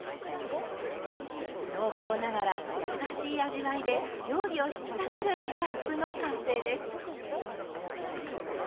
濃厚ながら優しい味わいで料理を引き立てるケチャップの完成です。